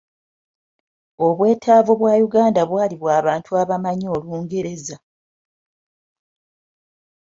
Obwetaavu bwa Uganda bwali bwa bantu abamanyi Olungereza.